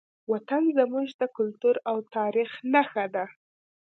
وطن زموږ د کلتور او تاریخ نښه ده.